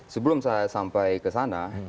sebelum saya sampai ke sana